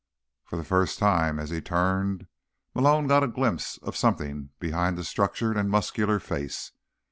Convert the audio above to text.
For the first time, as he turned, Malone got a glimpse of something behind the structured and muscular face.